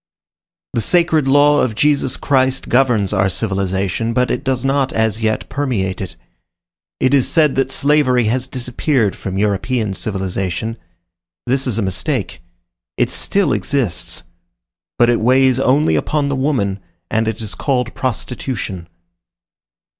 The sacred law of Jesus Christ governs our civilization, but it does not, as yet, permeate it; it is said that slavery has disappeared from European civilization. This is a mistake. It still exists; but it weighs only upon the woman, and it is called prostitution.